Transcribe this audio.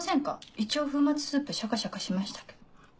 一応粉末スープシャカシャカしましたけど。